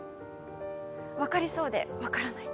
分かりそうで分からない。